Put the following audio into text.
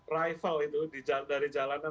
rifle itu dari jalanan